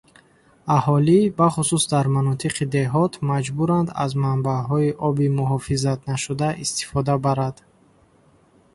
Аҳолӣ, бахусус дар манотиқи деҳот, маҷбуранд аз манбаъҳои оби муҳофизатнашуда истифода барад